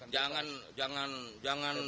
jangan jangan jangan